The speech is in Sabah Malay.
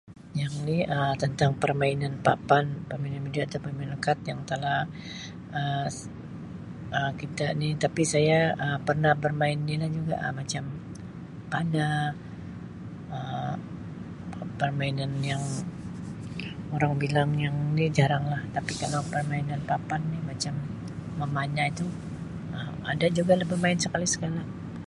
Yang ni Um tentang permainan papan, permainan video atau permainan kad yang telah Um kita ni tapi saya Um pernah bermain nilah juga Um macam panah, Um permainan yang orang bilang yang jarang lah tapi kalau permainan papan ni macam memanah tu Um ada jugalah bermain sekali sekala.